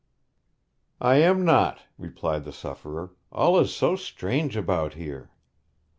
'I am not,' replied the sufferer. 'All is so strange about here!'